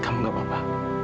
kamu gak apa apa